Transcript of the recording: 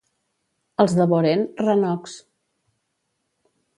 Els de Borén, renocs.